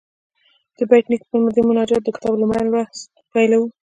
د بېټ نیکه پر دې مناجات د کتاب لومړی لوست پیلوو.